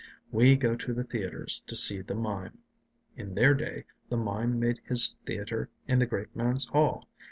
We go to the theatres to see the mime; in their days the mime made his theatre in the great man's hall.